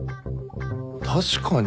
確かに。